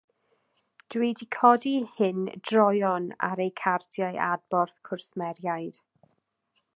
Dw i 'di codi hyn droeon ar eu cardiau adborth cwsmeriaid.